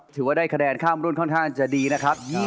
ถือว่าได้คะแนนข้ามรุ่นค่อนข้างจะดีนะครับ